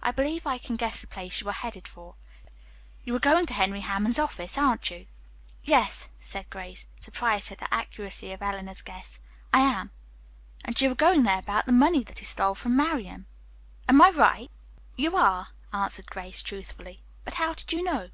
"I believe I can guess the place you are headed for. You are going to Henry Hammond's office, aren't you?" "Yes," said Grace, surprised at the accuracy of Eleanor's guess, "I am." "And you are going there about the money that he stole from Marian. Am I right!" "You are," answered Grace truthfully. "But how did you know?"